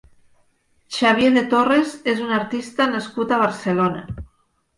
Xavier de Torres és un artista nascut a Barcelona.